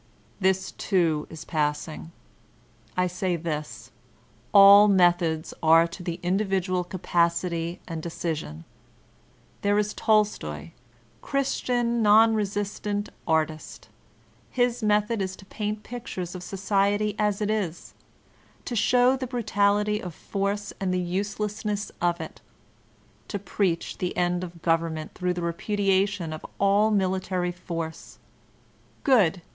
This too is passing. I say this:. all methods are to the individual capacity and decision. There is Tolstoy, — Christian, non resistant, artist. His method is to paint pictures of society as it is, to show the brutality of force and the uselessness of it ; to preach the end of government through the repudiation of all military force. Good!